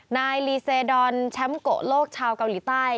นายลีเซดอนแชมป์โกะโลกชาวเกาหลีใต้